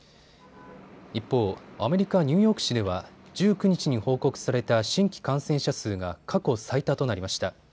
一方、アメリカニューヨーク市では１９日に報告された新規感染者数が過去最多となりました。